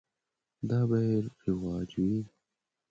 دا به یې رواج وي.